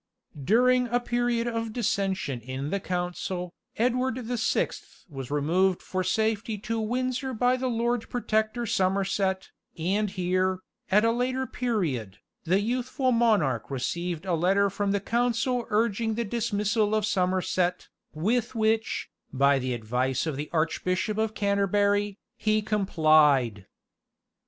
During a period of dissension in the council, Edward the Sixth was removed for safety to Windsor by the Lord Protector Somerset, and here, at a later period, the youthful monarch received a letter from the council urging the dismissal of Somerset, with which, by the advice of the Arch bishop of Canterbury, he complied.